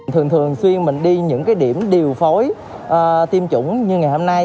thường thường xuyên mình đi những cái điểm điều phối tiêm chủng như ngày hôm nay